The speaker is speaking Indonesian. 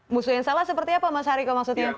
musuh yang salah seperti apa mas hariko maksudnya